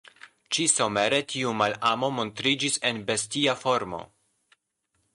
Ĉi-somere tiu malamo montriĝis en bestia formo.